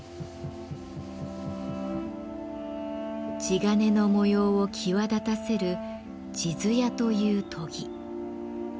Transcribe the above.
地鉄の模様を際立たせる「地艶」という研ぎ。